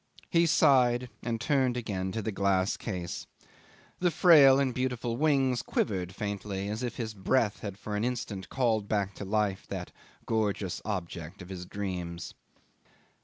He sighed and turned again to the glass case. The frail and beautiful wings quivered faintly, as if his breath had for an instant called back to life that gorgeous object of his dreams.